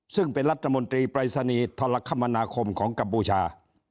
ซึ่งเป็นรัฐมนตรีปรายศนีย์ทรคมนาคมของกัมพูชา